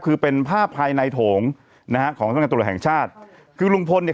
คือเป็นภาพภายในโถงนะฮะของสำนักงานตรวจแห่งชาติคือลุงพลเนี่ย